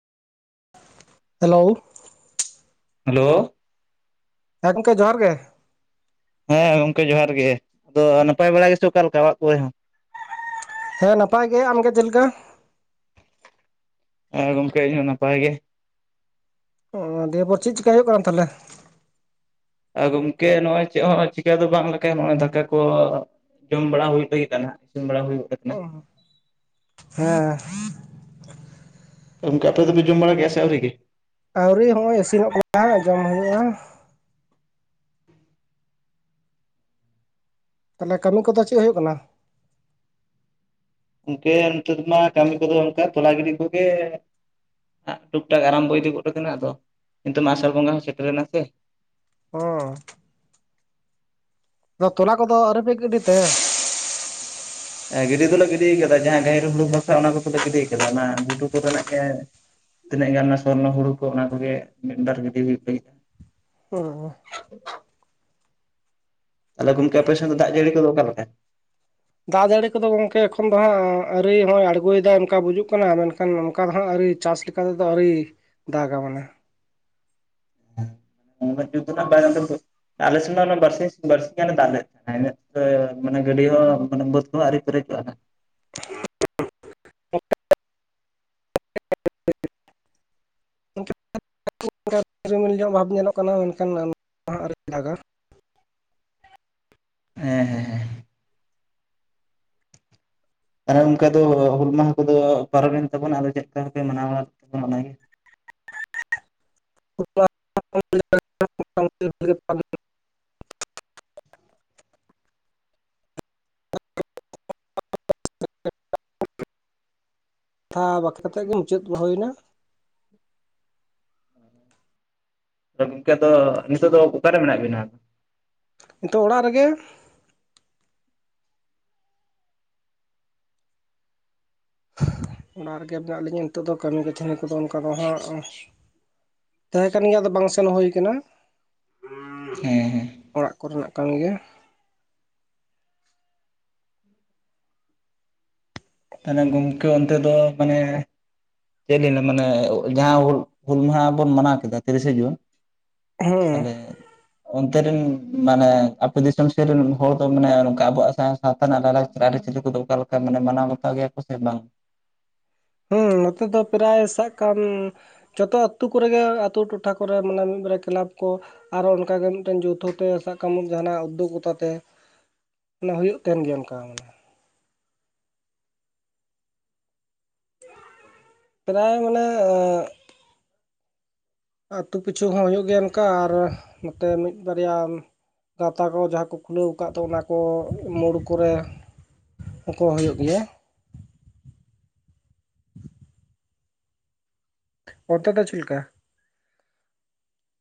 Hello, hello, ᱦᱮᱸ ᱜᱚᱢᱠᱮ ᱡᱚᱦᱟᱨ ᱜᱮ᱾ ᱦᱮᱸ ᱜᱚᱝᱠᱮ ᱡᱚᱦᱟᱨ ᱜᱮ᱾ ᱟᱫᱚ ᱱᱟᱯᱟᱭ ᱵᱟᱲᱟ ᱜᱮᱥᱮ ᱚᱠᱟ ᱞᱮᱠᱟ ᱚᱲᱟᱜ ᱠᱚᱨᱮ ᱦᱚᱸ? ᱦᱮᱸ ᱱᱟᱯᱟᱭ ᱜᱮ, ᱟᱢᱜᱮ ᱪᱮᱞ ᱠᱟ? ᱦᱮᱸ ᱜᱚᱢᱠᱮ ᱤᱧᱦᱚᱸ ᱱᱟᱯᱟᱭ ᱜᱮ᱾ ᱚ, ᱫᱤᱭᱮᱯᱚᱨ ᱪᱮᱜ ᱪᱮᱠᱟ ᱦᱩᱭᱩᱜ ᱠᱟᱱᱟ ᱛᱟᱦᱚᱞᱮ? ᱟᱨ ᱜᱚᱝᱠᱮ ᱱᱚᱜᱼᱚᱭ ᱪᱮᱜ ᱦᱚᱸ ᱪᱤᱠᱟ ᱫᱚ ᱵᱟᱝ ᱞᱮᱠᱟ ᱜᱮ ᱱᱚᱜᱼᱚᱭ ᱫᱟᱠᱟ ᱠᱚ, ᱡᱚᱢ ᱵᱟᱲᱟ ᱦᱩᱭ ᱞᱟᱹᱜᱤᱫ ᱟ ᱱᱟᱦᱟᱜ ᱤᱥᱤᱱ ᱵᱟᱲᱟ ᱦᱩᱭᱩᱜ ᱚ, ᱦᱮᱸ᱾ ᱜᱚᱢᱠᱮ ᱟᱯᱮ ᱫᱚᱯᱮ ᱡᱚᱢ ᱵᱟᱲᱟ ᱠᱮᱜᱼᱟ ᱥᱮ ᱟᱹᱣᱨᱤ ᱜᱮ᱾ ᱟᱹᱣᱨᱤ ᱦᱚᱜᱼᱚᱭ ᱤᱥᱤᱱᱚᱜ ᱠᱟᱱᱟ ᱦᱟᱸᱜ ᱡᱚᱢ ᱦᱩᱭᱩᱜᱼᱟ, ᱛᱟᱞᱦᱮ ᱠᱟᱹᱢᱤ ᱠᱚᱫᱚ ᱪᱮᱜ ᱦᱳᱭᱳᱜ ᱠᱟᱱᱟ? ᱜᱚᱝᱠᱮ ᱱᱮᱛᱟᱨ ᱢᱟ ᱠᱟᱹᱢᱤ ᱠᱚᱫᱚ ᱚᱱᱠᱟ ᱛᱚᱞᱟ ᱜᱤᱰᱤ ᱠᱚᱜᱮ᱾ ᱦᱟᱸᱜ ᱴᱩᱠ ᱴᱟᱠ ᱟᱨᱟᱢᱵᱚ ᱤᱫᱤ ᱜᱚᱜ ᱟᱠᱟᱱᱟ᱾ ᱟᱫᱚ ᱱᱤᱛᱚᱜ ᱢᱟ ᱟᱥᱟᱲ ᱵᱚᱸᱜᱟ ᱦᱚᱸ ᱥᱮᱴᱮᱨ ᱮᱱᱟ ᱥᱮ, ᱦᱚᱸ ᱟᱫᱚ ᱛᱚᱞᱟ ᱠᱚᱫᱚ ᱟᱹᱣᱨᱤᱯᱮ ᱜᱤᱰᱤ ᱛᱮ? ᱜᱤᱰᱤ ᱫᱚᱞᱮ ᱜᱤᱰᱤᱭ ᱠᱟᱫᱟ ᱡᱟᱦᱟᱸ ᱜᱟᱹᱦᱤᱨ ᱦᱩᱲᱩ ᱵᱟᱠᱷᱨᱟ ᱚᱱᱟ ᱠᱚᱫᱚᱞᱮ ᱜᱤᱰᱤᱭ ᱠᱟᱫᱟ᱾ ᱚᱱᱟ ᱜᱷᱩᱴᱩ ᱠᱚᱨᱮᱱᱟᱜ ᱜᱮ ᱛᱤᱱᱟᱹᱜ ᱜᱟᱱ ᱚᱱᱟ ᱥᱚᱨᱱᱚ ᱦᱩᱲᱩ ᱠᱚ ᱚᱱᱟ ᱠᱚᱜᱮ ᱢᱤᱫᱵᱟᱨ ᱜᱤᱰᱤ ᱦᱩᱭᱩᱜ ᱞᱟᱹᱜᱤᱫ ᱚᱸᱻ ᱟᱫᱚ ᱜᱚᱢᱠᱮ ᱟᱯᱮ ᱥᱮᱜ ᱫᱚ ᱫᱟᱜ ᱡᱟᱹᱲᱤ ᱠᱚ ᱫᱚ ᱚᱠᱟ ᱞᱮᱠᱟ? ᱫᱟᱜ ᱡᱟᱹᱲᱤ ᱠᱚᱫᱚ ᱜᱚᱝᱠᱮ ᱮᱠᱷᱚᱱ ᱫᱚ ᱦᱟᱸᱜ ᱟᱹᱣᱨᱤ ᱦᱚᱸᱜᱼᱚᱭ ᱟᱬᱜᱚᱭᱫᱟᱭ ᱚᱱᱠᱟ ᱵᱩᱡᱩᱜ ᱠᱟᱱᱟ ᱢᱮᱱᱠᱷᱟᱱ ᱚᱱᱠᱟ ᱫᱚ ᱦᱟᱸᱜ ᱟᱹᱣᱨᱤ ᱪᱟᱥ ᱞᱮᱠᱟ ᱚᱱᱠᱟ ᱛᱮᱫᱚ ᱟᱹᱣᱨᱤ ᱫᱟᱜᱟ ᱢᱟᱱᱮ᱾ ᱩᱱᱟᱹᱜ ᱡᱩᱛ ᱫᱚ ᱱᱟᱜ ᱵᱟᱭ, ᱟᱞᱮᱥᱮᱱ ᱢᱟ ᱚᱱᱮ ᱵᱟᱨᱥᱤᱧ ᱜᱟᱱᱮ ᱫᱟᱜ ᱞᱮᱫᱽ, ᱢᱟᱱᱮ ᱤᱱᱟᱹᱜᱛᱮ ᱢᱟᱱᱮ ᱜᱟᱹᱰᱤᱭᱟᱹ ᱦᱚᱸ ᱢᱟᱱᱮ ᱵᱟᱹᱫᱽ ᱠᱚᱦᱚᱸ ᱟᱹᱣᱨᱤ ᱯᱮᱨᱮᱡᱚᱜᱼᱟ ᱦᱟᱸᱜ᱾ ᱦᱮ [unintelligible] ᱨᱤᱢᱤᱞ ᱧᱚᱜ ᱵᱷᱟᱵᱽ ᱧᱮᱞᱚᱜ ᱠᱟᱱᱟ ᱢᱮᱱᱠᱷᱟᱱ ᱦᱮᱸ ᱦᱮᱸ ᱦᱮᱸ ᱛᱟᱦᱮ ᱚᱱᱠᱟ ᱫᱚ ᱦᱩᱞ ᱢᱟᱦᱟ ᱠᱚᱫᱚ ᱯᱟᱨᱚᱢᱮᱱ ᱛᱟᱵᱚᱱᱟ ᱟᱫᱚ ᱪᱮᱫ ᱞᱮᱠᱟᱯᱮ ᱢᱟᱱᱟᱣᱟ ᱵᱟᱲᱟ ᱞᱮ ᱛᱟᱵᱚᱱ ᱚᱱᱟᱜᱮ [inaudible] ᱠᱟᱛᱷᱟ ᱵᱟᱠᱷᱮᱲ ᱠᱟᱛᱮᱫ ᱜᱮ ᱢᱩᱪᱟᱹᱫ ᱦᱩᱭᱮᱱᱟ ᱟᱫᱚ ᱜᱚᱝᱠᱮ ᱫᱚ ᱱᱤᱛᱚᱜ ᱫᱚ ᱚᱠᱟᱨᱮ ᱢᱮᱱᱟᱜ ᱵᱤᱱᱟ? ᱱᱤᱛᱚᱜ ᱚᱲᱟᱜ ᱨᱮᱜᱮ ᱚᱱᱟᱲᱟᱜ ᱨᱮᱜᱮ ᱢᱮᱱᱟᱜ ᱞᱤᱧᱟᱹ ᱱᱤᱛᱚᱜ ᱫᱚ ᱠᱟᱹᱢᱤ ᱠᱟᱹᱥᱱᱤ ᱠᱚᱫᱚ ᱚᱱᱠᱟ ᱫᱚ ᱦᱟᱸᱜ ᱛᱟᱦᱮᱸ ᱠᱟᱱ ᱜᱮᱭᱟ ᱟᱫᱚ ᱵᱟᱝ ᱥᱮᱱ ᱦᱩᱭ ᱟᱠᱟᱱᱟᱹ ᱦᱮᱸ ᱚᱲᱟᱜ ᱠᱚᱨᱮᱱᱟᱜ ᱠᱟᱱ ᱜᱮᱭ ᱛᱟᱦᱚᱞᱮ ᱜᱚᱢᱠᱮ ᱚᱱᱛᱮ ᱫᱚ ᱢᱟᱱᱮ ᱪᱮᱫ ᱚᱱᱟ ᱢᱟᱱᱮ ᱡᱟᱦᱟᱸ ᱦᱩᱞ ᱢᱟᱦᱟ ᱵᱚᱱ ᱢᱟᱱᱟᱣ ᱠᱮᱫᱟ ᱛᱤᱨᱤᱥᱮ ᱡᱩᱱ ᱦᱮᱸ ᱟᱞᱮ ᱚᱱᱛᱮ ᱨᱮᱱ ᱢᱟᱱᱮ ᱟᱯᱮ ᱫᱤᱥᱚᱢ ᱥᱮᱫ ᱨᱮᱱ ᱦᱚᱲ ᱫᱚ ᱢᱟᱱᱮ ᱚᱱᱠᱟ ᱟᱵᱚᱣᱟᱜ ᱥᱟᱶ ᱥᱟᱶᱛᱟ ᱨᱮᱱᱟᱜ ᱞᱟᱭᱞᱟᱠᱪᱟᱨ ᱟᱹᱨᱤᱪᱟᱹᱞᱤ ᱠᱚᱫᱚ ᱚᱠᱟ ᱞᱮᱠᱟ ᱢᱟᱱᱮ ᱢᱟᱱᱟᱣ ᱵᱟᱛᱟᱣ ᱜᱮᱭᱟ ᱠᱚ ᱥᱮ ᱵᱟᱝ? ᱦᱮᱸ ᱱᱚᱛᱮ ᱫᱚ ᱯᱨᱟᱭ ᱥᱟᱵ ᱠᱟᱢ ᱡᱚᱛᱚ ᱟᱹᱛᱳ ᱠᱚᱨᱮᱜᱮ ᱟᱹᱛᱳ ᱴᱚᱴᱷᱟ ᱠᱚᱨᱮ ᱢᱟᱱᱮ ᱢᱤᱫᱵᱟᱨ ᱠᱞᱟᱵᱽ ᱠᱚ ᱟᱨᱚ ᱚᱱᱠᱟᱜᱮ ᱢᱤᱫᱴᱮᱱ ᱡᱳᱛᱷᱚ ᱛᱮ ᱥᱟᱵ ᱠᱟᱜ ᱢᱮ ᱡᱟᱦᱟᱱᱟᱜ ᱩᱫᱽᱫᱳᱜᱽᱜᱚᱛᱟ ᱛᱮ ᱚᱱᱟ ᱦᱩᱭᱩᱜ ᱛᱟᱦᱮᱱ ᱜᱮᱭᱟ ᱚᱱᱠᱟ ᱢᱟᱱᱮ ᱯᱨᱟᱭ ᱢᱟᱱᱮ ᱟᱹᱛᱩ ᱯᱤᱪᱷᱩ ᱦᱚᱸ ᱦᱩᱭᱩᱜ ᱜᱮᱭᱟ ᱚᱱᱠᱟ ᱟᱨ ᱱᱚᱛᱮ ᱢᱤᱫ ᱵᱟᱨᱭᱟ ᱜᱟᱶᱛᱟ ᱠᱚ ᱡᱟᱦᱟᱸ ᱠᱚ ᱠᱷᱩᱞᱟᱹᱣ ᱟᱠᱟᱫ ᱫᱚ ᱚᱱᱟ ᱠᱚ ᱢᱳᱲ ᱠᱚᱨᱮ ᱩᱱᱠᱚ ᱦᱩᱭᱩᱜ ᱜᱮᱭᱟ ᱚᱱᱛᱮ ᱫᱚ ᱪᱮᱫ ᱞᱮᱠᱟ